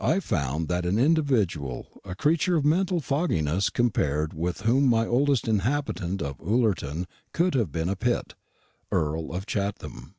I found that individual a creature of mental fogginess compared with whom my oldest inhabitant of Ullerton would have been a Pitt, Earl of Chatham.